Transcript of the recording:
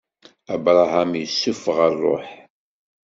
Abṛaham issufeɣ ṛṛuḥ.